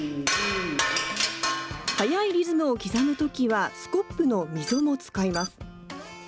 速いリズムを刻むときは、スコップの溝も使います。